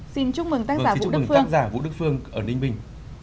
xin chúc mừng tác giả vũ đức phương ở ninh bình